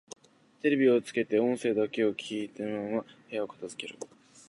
テレビをつけて音声だけを聞いたまま部屋を片づける